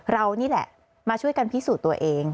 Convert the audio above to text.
เรานี่แหละมาช่วยกันพิสูจน์ตัวเอง